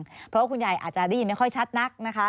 เพราะว่าคุณยายอาจจะได้ยินไม่ค่อยชัดนักนะคะ